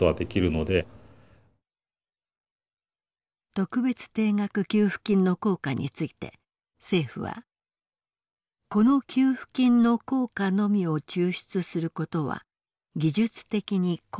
特別定額給付金の効果について政府は「この給付金の効果のみを抽出することは技術的に困難」としています。